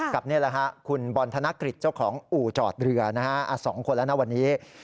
กับคุณบอลธนกฤทธิ์เจ้าของอู่จอดเรือสองคนแล้วนะวันนี้